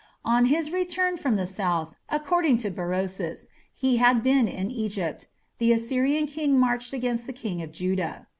On his return from the south according to Berosus he had been in Egypt the Assyrian king marched against the king of Judah.